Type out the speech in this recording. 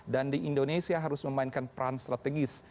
dan di indonesia harus memainkan peran strategis